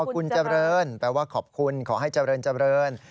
คุณเจริญแปลว่าขอบคุณขอให้เจริญเจริญ